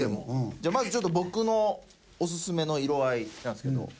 じゃあまずちょっと僕のおすすめの色合いなんですけど。